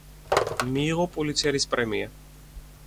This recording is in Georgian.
მიიღო პულიცერის პრემია.